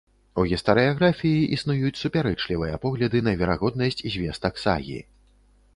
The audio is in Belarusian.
У гістарыяграфіі існуюць супярэчлівыя погляды на верагоднасць звестак сагі.